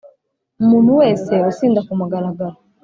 Umuntu wese usinda ku mugaragaro